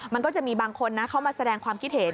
มันก็จะมีบางคนนะเข้ามาแสดงความคิดเห็น